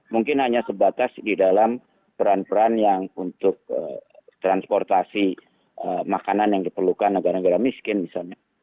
mungkin hanya sebatas di dalam peran peran yang untuk transportasi makanan yang diperlukan negara negara miskin misalnya